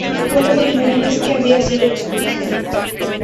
Fue la primera vez que había sido expulsado.